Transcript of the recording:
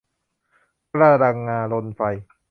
กระดังงาลนไฟ